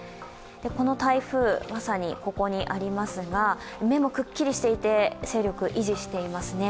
この台風、まさにここにありますが目もくっくりしていて勢力、維持していますね。